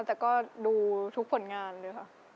แต่ก็ดูทุกผลงานเลยค่ะ